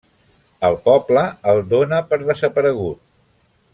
El poble el dóna per desaparegut.